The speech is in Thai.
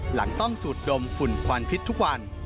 หลังต้องสูดดมฝุ่นควันพิษทุกวัน